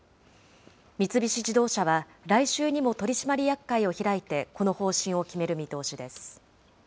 三菱自動車は来週にも取締役会を開いて、この方針を決める見通しです。